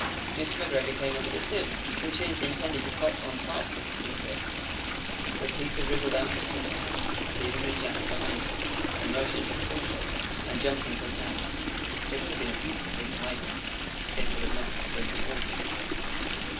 Mr. McGregor came up with a sieve, which he intended to pop upon the top of Peter; but Peter wriggled out just in time, leaving his jacket behind him, and rushed into the tool shed, and jumped into a can. It would have been a beautiful thing to hide in, if it had not had so much water in it.